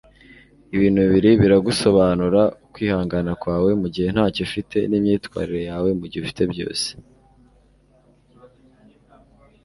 ibintu bibiri biragusobanura ukwihangana kwawe mugihe ntacyo ufite, n'imyitwarire yawe mugihe ufite byose